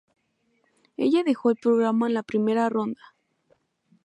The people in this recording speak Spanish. Ella dejó el programa en la primera ronda.